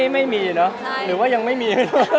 ไม่มีเนอะหรือว่ายังไม่มี